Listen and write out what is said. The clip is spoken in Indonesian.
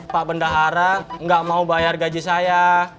pak bendahara nggak mau bayar gaji saya